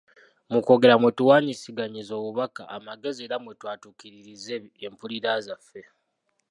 Mu kwogera mwe tuwaanyisiganyiza obubaka, amagezi era mwe twaatuukiririza empulira zaffe.